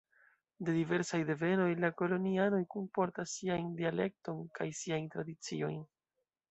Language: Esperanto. De diversaj devenoj, la kolonianoj kunportas sian dialekton kaj siajn tradiciojn.